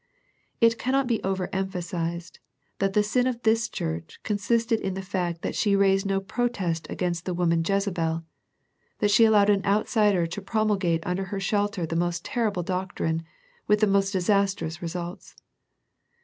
It cannot be over emphasized that the sin of this church consisted in the fact that she raised no protest against the woman Jezebel, that she allowed an outsider to pro mulgate under her shelter the most terrible doctrine, with the most disastrous results.